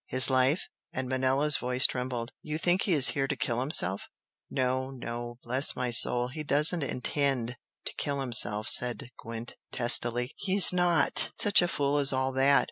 "His life!" and Manella's voice trembled "You think he is here to kill himself " "No, no bless my soul, he doesn't INTEND to kill himself" said Gwent, testily "He's not such a fool as all that!